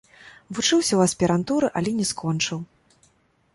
Вучыўся ў аспірантуры, але не скончыў.